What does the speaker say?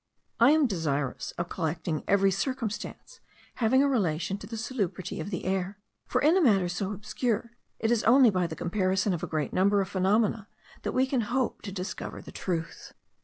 I am desirous of collecting every circumstance having a relation to the salubrity of the air; for, in a matter so obscure, it is only by the comparison of a great number of phenomena, that we can hope to discover the truth.